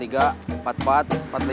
tunggu takut salah